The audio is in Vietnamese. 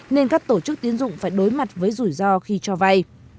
nên các tổ chức tiến dụng phải đối mặt với rủi ro khi cho vay